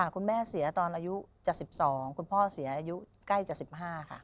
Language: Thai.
คุณแม่เสียตอนอายุจะสิบสองคุณพ่อเสียอายุใกล้จะสิบห้าค่ะ